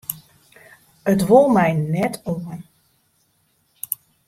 It wol my net oan.